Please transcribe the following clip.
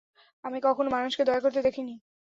আমি কখনো মানুষকে দয়া করতে দেখিনি।